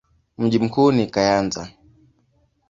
Mji mkuu ni Kayanza.